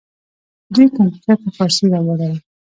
دوی کمپیوټر ته فارسي راوړې.